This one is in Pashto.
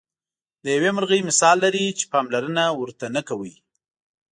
د یوې مرغۍ مثال لري چې پاملرنه ورته نه کوئ.